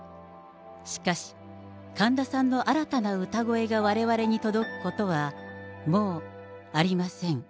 しかし、神田さんの新たな歌声がわれわれに届くことは、もうありません。